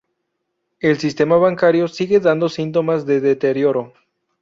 El sistema bancario sigue dando síntomas de deterioro.